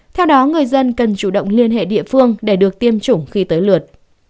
theo đó người dân cần chủ động liên hệ địa phương để được tiêm chủng khi tới lượt